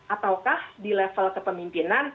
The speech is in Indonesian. ataukah di level kepemimpinan